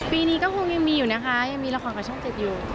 ปีนี้ก็คงยังมีอยู่นะคะยังมีละครกับช่อง๗อยู่